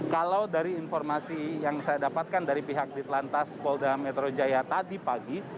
kalau dari informasi yang saya dapatkan dari pihak di telantas polda metro jaya tadi pagi